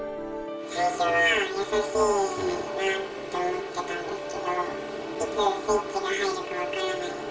最初は優しいなって思ってたんですけど、いつスイッチが入るか分からなくて、